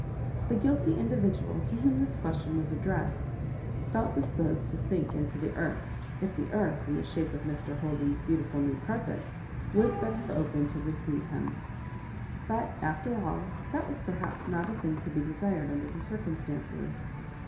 The guilty individual to whom this question was addressed felt disposed to sink into the earth, if the earth, in the shape of Mr. Holden's beautiful new carpet, would but have opened to receive him ; but, after all, that was perhaps not a thing to be desired under the circumstances.